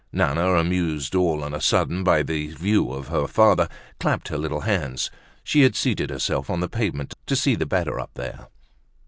Nana, amused all on a sudden by the view of her father, clapped her little hands. She had seated herself on the pavement to see the better up there.